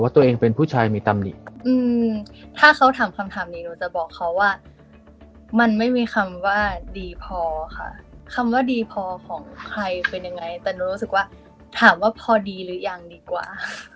แต่รู้สึกว่าถามว่าพอดีหรือยังดีกว่า